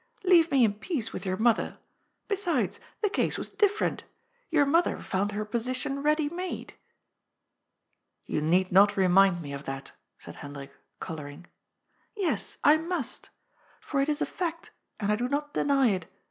Leave me in peace with your mother. Besides, the case was different. Your mother found her position ready made." " You need not remind me of that," said Hendrik, col ouring. " Yes, I must. For it is a fact, and I do not deny it.